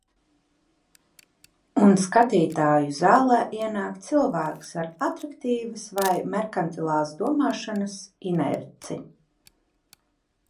Un skatītāju zālē ienāk cilvēks ar atraktīvas vai merkantilās domāšanas inerci.